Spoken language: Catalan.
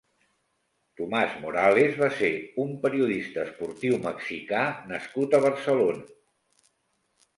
Tomás Morales va ser un periodista esportiu mexicà nascut a Barcelona.